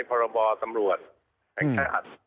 ภาระบอสำรวจแค่อัน